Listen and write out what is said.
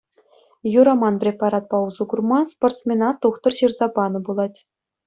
Юраман препаратпа усӑ курма спортсмена тухтӑр ҫырса панӑ пулать.